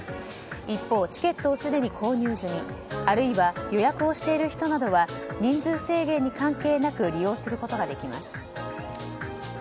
一方、チケットをすでに購入済みあるいは予約をしている人などは人数制限に関係なく利用することができます。